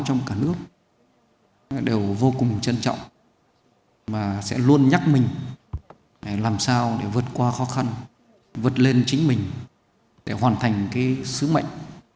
trong cả nước đều vô cùng trân trọng và sẽ luôn nhắc mình làm sao để vượt qua khó khăn vượt lên chính mình để hoàn thành cái sứ mệnh